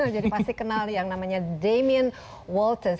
jadi pasti kenal yang namanya damien walters